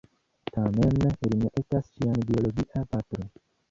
Tamen li ne estas ŝia biologia patro.